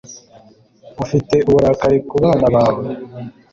uteza uburakari ku bana bawe